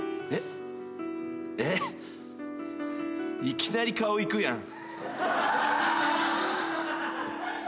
いきなり顔いくやん。